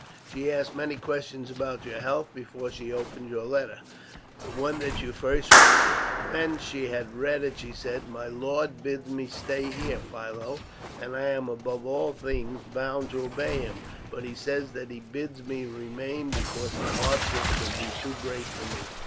She asked many questions about your health before she opened your letter, the one that you first wrote to her. When she had read it she said, 'My lord bids me stay here, Philo, and I am, above all things, bound to obey him; but he says that he bids me remain, because the hardships would be too great for me.